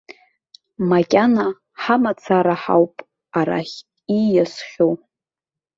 Макьана ҳамацара ҳауп арахь ииасхьоу.